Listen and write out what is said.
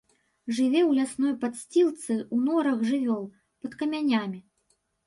Жыве ў лясной падсцілцы, у норах жывёл, пад камянямі.